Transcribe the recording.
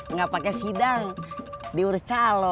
nggak pakai sidang diurus calo